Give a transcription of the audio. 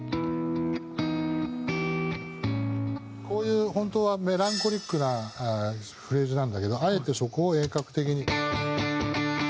こういう本当はメランコリックなフレーズなんだけどあえてそこを鋭角的に。